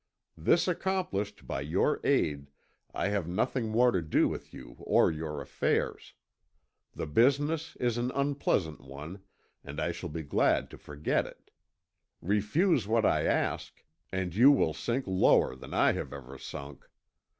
This accomplished by your aid, I have nothing more to do with you or your affairs. The business is an unpleasant one, and I shall be glad to forget it. Refuse what I ask, and you will sink lower than I have ever sunk.